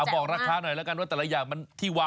บอกราคาหน่อยละกันมารีบ๒๐๐๙